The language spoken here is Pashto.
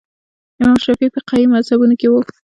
امام شافعي فقهي مذهبونو کې وو